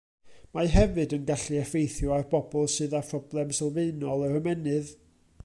Mae hefyd yn gallu effeithio ar bobl sydd â phroblem sylfaenol yr ymennydd.